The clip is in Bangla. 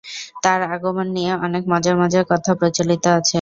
তার আগমন নিয়ে অনেক মজার মজার কথা প্রচলিত আছে।